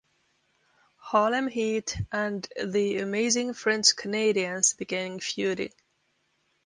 Harlem Heat and The Amazing French Canadians began feuding.